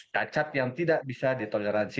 cacat yang tidak bisa ditoleransi